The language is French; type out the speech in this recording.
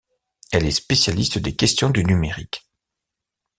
Elle est spécialiste des questions du numérique.